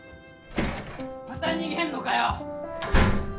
また逃げんのかよ！